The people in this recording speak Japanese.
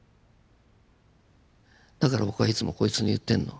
だから僕はいつもこいつに言ってんの。